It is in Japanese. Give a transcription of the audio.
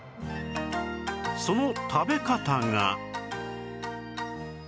その食べ方が